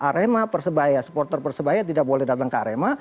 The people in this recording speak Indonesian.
arema persebaya supporter persebaya tidak boleh datang ke arema